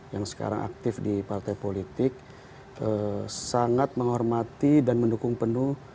yang sekarang aktif di partai politik sangat menghormati dan mendukung penuh